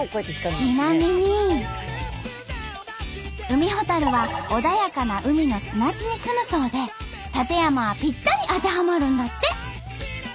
ウミホタルは穏やかな海の砂地にすむそうで館山はぴったり当てはまるんだって。